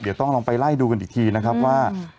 เดี๋ยวต้องลองไปไล่ดูกันอีกทีนะครับว่า